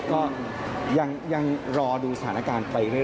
ก็ยังรอดูสถานการณ์ไปเรื่อ